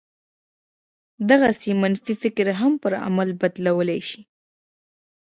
دغسې منفي فکر هم پر عمل بدلولای شي